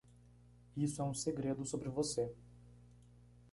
Isso é um segredo sobre você.